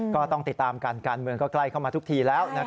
ก็ต้องติดตามกันการเมืองก็ใกล้เข้ามาทุกทีแล้ว